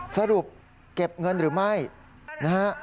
สรุปเก็บเงินหรือไม่นะฮะ